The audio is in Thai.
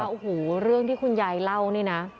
โอ้โหเรื่องที่คุณยายเล่านี่นะ